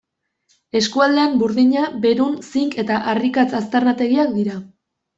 Eskualdean burdina, berun, zink eta harrikatz aztarnategiak dira.